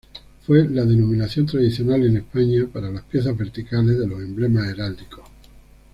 Fue la denominación tradicional en España para las piezas verticales de los emblemas heráldicos.